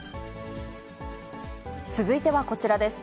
続いてはこちらです。